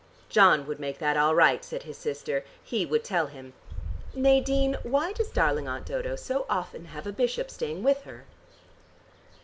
"John would make that all right," said his sister. "He would tell him. Nadine, why does darling Aunt Dodo so often have a bishop staying with her?"